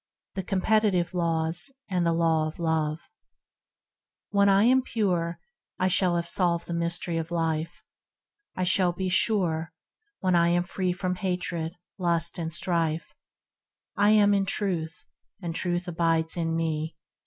THE COMPETITIVE LAWS AND THE THE LAW OF LOVE When I am pure I shall have solved the mystery of life, I shall be sure When I am free from hatred, lust and strife, I am in Truth, and Truth abides in me.